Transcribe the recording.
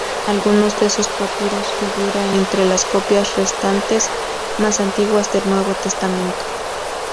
Algunos de esos papiros figuran entre las copias restantes más antiguas del Nuevo Testamento.